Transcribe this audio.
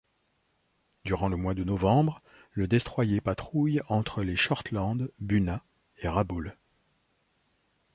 Durant le mois de novembre, le destroyer patrouille entre les Shortland, Buna et Rabaul.